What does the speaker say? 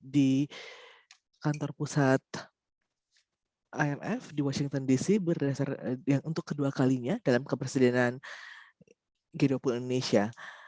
di kantor pusat imf di washington dc yang untuk kedua kalinya dalam kepresidenan g dua puluh indonesia